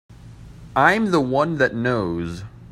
I'm the one that knows.